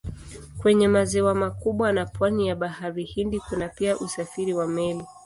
Kwenye maziwa makubwa na pwani ya Bahari Hindi kuna pia usafiri wa meli.